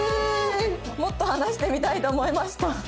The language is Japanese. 「もっと話してみたいと思いました」